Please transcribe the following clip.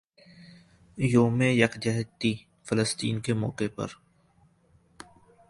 یوم یکجہتی فلسطین کے موقع پر